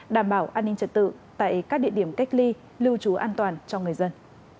đảm bảo an ninh trật tự tại các địa điểm cách ly lưu trú an toàn cho người dân